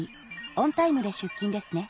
オンタイムで出勤ですね。